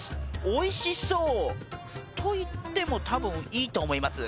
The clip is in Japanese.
おいしそうと言ってもたぶんいいと思います